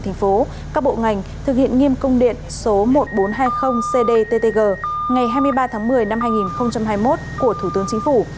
thành phố các bộ ngành thực hiện nghiêm công điện số một nghìn bốn trăm hai mươi cdttg ngày hai mươi ba tháng một mươi năm hai nghìn hai mươi một của thủ tướng chính phủ